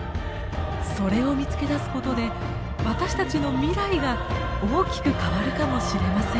それを見つけ出すことで私たちの未来が大きく変わるかもしれません。